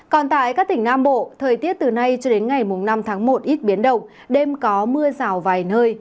còn tại các tỉnh nam bộ thời tiết từ nay cho đến ngày năm tháng một ít biến động đêm có mưa rào vài nơi